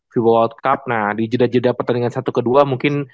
di world cup nah dijeda jeda pertandingan satu ke dua mungkin